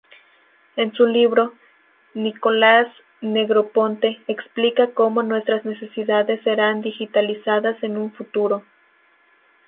En su libro, Nicholas Negroponte explica cómo nuestras necesidades serán digitalizadas en un futuro.